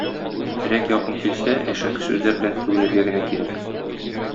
Өрәк якын килсә, әшәке сүзләр белән сүгенергә генә кирәк.